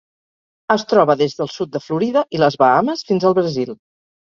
Es troba des del sud de Florida i les Bahames fins al Brasil.